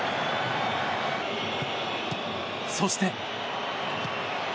そして。